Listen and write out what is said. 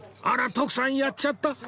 あら徳さんやっちゃった！